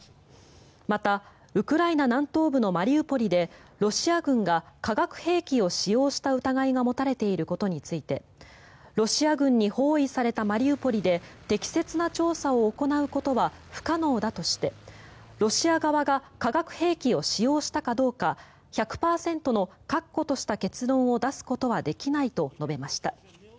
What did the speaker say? また、ウクライナ南東部のマリウポリでロシア軍が化学兵器を使用した疑いが持たれていることについてロシア軍に包囲されたマリウポリで適切な調査を行うことは不可能だとしてロシア側が化学兵器を使用したかどうか１００％の確固とした結論を出すことはできないと述べました。